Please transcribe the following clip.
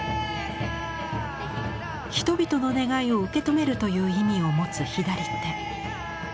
「人々の願いを受け止める」という意味を持つ左手。